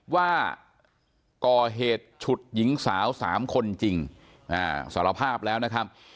ว่าก่อเหตุฉุดหญิงสาว๓คนจริงสารภาพแล้วนะครับ